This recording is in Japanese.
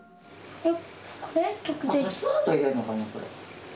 えっ？